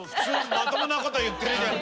まともなこと言ってるじゃん。